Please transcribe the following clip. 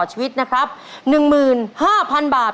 หนึ่งหมื่น๕๐๐๐บาท